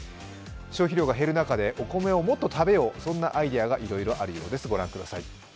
消費量が減る中でお米をもっと食べよう、そんなアイデアがいろいろあるようです。